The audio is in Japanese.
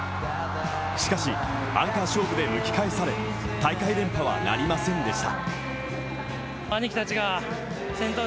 しかし、アンカー勝負で抜き返され、大会連覇はなりませんでした。